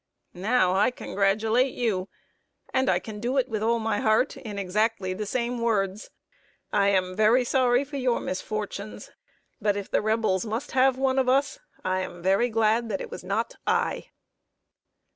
Now, I congratulate you, and I can do it with all my heart, in exactly the same words. I am very sorry for your misfortunes; but if the Rebels must have one of us, I am very glad that it was not I!"